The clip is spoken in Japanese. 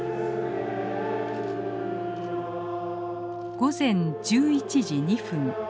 午前１１時２分。